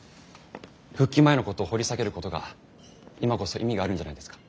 復帰前のことを掘り下げることが今こそ意味があるんじゃないですか？